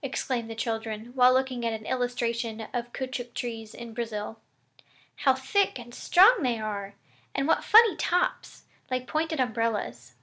exclaimed the children while looking at an illustration of caoutchouc trees in Brazil. "How thick and strong they are! And what funny tops! like pointed umbrellas."